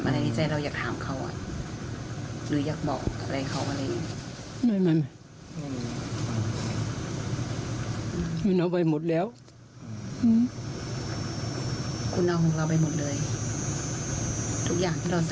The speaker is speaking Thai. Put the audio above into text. ไม่ใช่แค่ทับสินนะครับรายละครเขาเอาครอบครัวพี่ไปด้วย